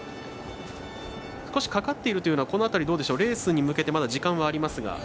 少し、かかっているというのはこの辺り、レースに向けて時間ありますが。